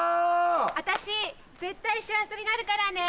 私絶対幸せになるからね！